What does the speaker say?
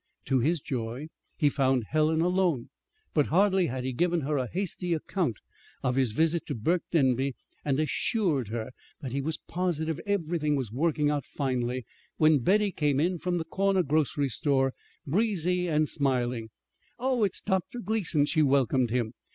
To his joy he found Helen alone; but hardly had he given her a hasty account of his visit to Burke Denby, and assured her that he was positive everything was working out finely, when Betty came in from the corner grocery store, breezy and smiling. "Oh, it's Dr. Gleason!" she welcomed him.